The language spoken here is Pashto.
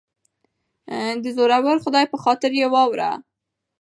دزورور خدای په خاطر یه واوره